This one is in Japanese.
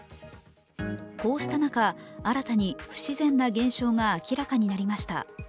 こうした中、新たに不自然な現象が明らかになりました。